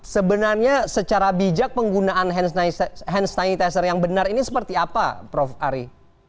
sebenarnya secara bijak penggunaan hand sanitizer yang benar ini seperti apa prof ari